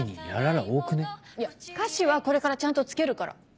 いや歌詞はこれからちゃんとつけるから。